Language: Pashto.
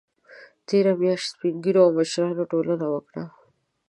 تېره میاشت سپین ږیرو او مشرانو ټولنه وکړه